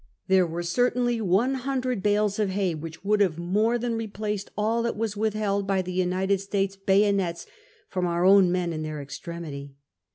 There were certainly one hundred bales of hay, which would have more than replaced all that was withheld by United States bayo nets from our own men in their extremity.